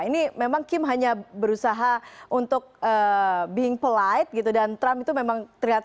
ini memang kim hanya berusaha untuk being polite gitu dan trump itu memang terlihat